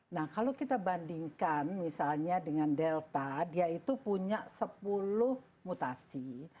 nah kalau kita bandingkan misalnya dengan delta dia itu punya sepuluh mutasi